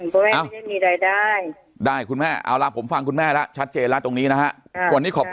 เพราะไม่ได้มีรายได้ครับผมฟังคุณแม่แล้วชัดเจแล้วตรงนี้นะครับ